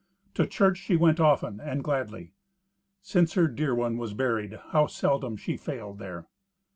To church she went often and gladly. Since her dear one was buried, how seldom she failed there!